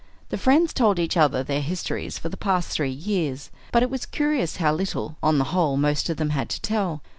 The friends told each other their histories for the past three years; but it was curious how little, on the whole, most of them had to tell.